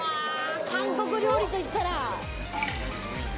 韓国料理といったら。